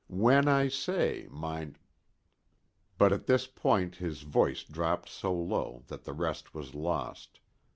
When I say, mind " But at this point his voice dropped so low that the rest was lost.